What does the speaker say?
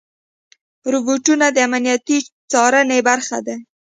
روبوټونه د امنیتي څارنې برخه دي.